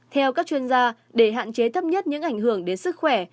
theo các chuyên gia để hạn chế thấp nhất những ảnh hưởng đến sức khỏe